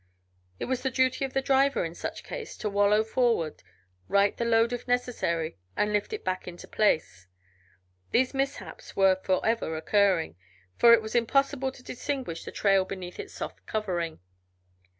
It was the duty of the driver, in such case, to wallow forward, right the load if necessary, and lift it back into place. These mishaps were forever occurring, for it was impossible to distinguish the trail beneath its soft covering.